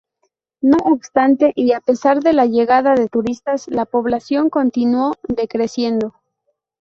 No obstante, y a pesar de la llegada de turistas, la población continuó decreciendo.